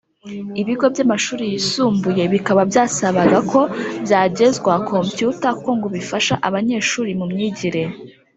ibigo byamashuri yisumbuye bikaba byasabaga ko byagezwa computer kuko ngo bifasha abanyeshuri mu myigire